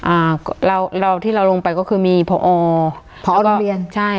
อ่าเราเราที่เราลงไปก็คือมีพอพอโรงเรียนใช่